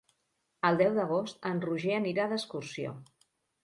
El deu d'agost en Roger anirà d'excursió.